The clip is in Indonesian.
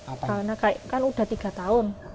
karena kan udah tiga tahun